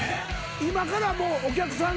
今からもうお客さんが。